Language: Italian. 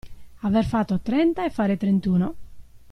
Aver fatto trenta e fare trentuno.